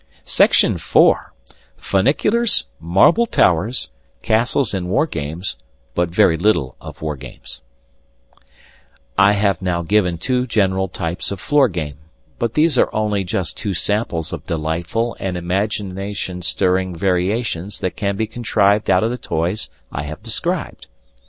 Section IV FUNICULARS, MARBLE TOWERS, CASTLES AND WAR GAMES, BUT VERY LITTLE OF WAR GAMES I have now given two general types of floor game; but these are only just two samples of delightful and imagination stirring variations that can be contrived out of the toys I have described.